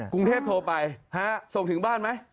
กรุงเทพโทรไปส่งถึงบ้านไหม